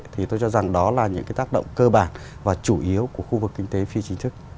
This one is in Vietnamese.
thì tôi cho rằng đó là những cái tác động cơ bản và chủ yếu của khu vực kinh tế phi chính thức